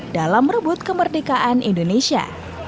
sebut kemerdekaan indonesia